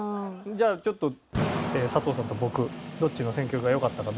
じゃあちょっと佐藤さんと僕どっちの選曲がよかったか。